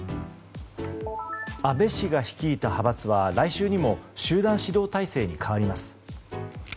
安倍氏が率いた派閥は来週にも集団指導体制に変わります。